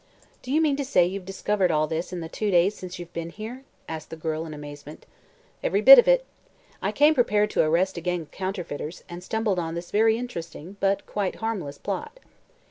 "Do you mean to say you've discovered all this in the two days since you've been here?" asked the girl, in amazement. "Every bit of it. I came prepared to arrest a gang of counterfeiters, and stumbled on this very interesting but quite harmless plot."